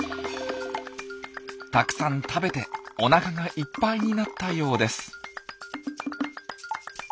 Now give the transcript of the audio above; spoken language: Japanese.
たくさん食べておなかがいっぱいになったようです。